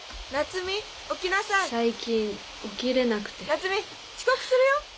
「夏実遅刻するよ！」。